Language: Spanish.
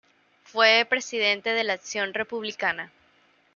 Fue presidente de la Acción Republicana.